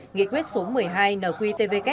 nghị quyết số một mươi hai nqtvk